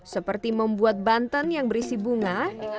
seperti membuat banten yang berisi bunga